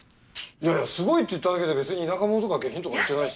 いやいやすごいって言っただけで別に田舎者とか下品とか言ってないし。